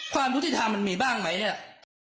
ความรู้สึกที่ทำมันมีบ้างไหมเนี่ย